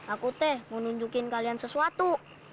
aku teh mau nunjukin kalian sesuatu